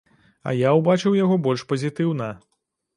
А я ўбачыў яго больш пазітыўна.